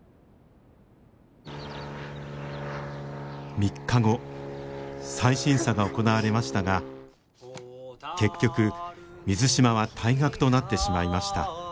３日後再審査が行われましたが結局水島は退学となってしまいました。